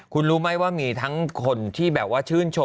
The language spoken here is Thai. คุณรู้ไหมว่ามีทั้งคนที่แบบว่าชื่นชม